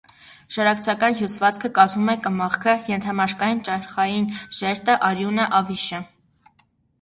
Շարակցական հյուսվածքը կազմում է կմախքը, ենթամաշկային ճարխային շերտը, արյունը, ավիշը։